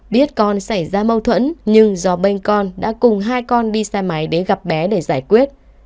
biết con xảy ra mâu thuẫn nhưng do bênh con đã cùng hai con đi xa máy để gặp bé để giải quyết